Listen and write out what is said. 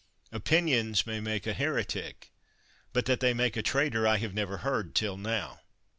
Opinions may make a heretic, but that they make a traitor I have never heard till now.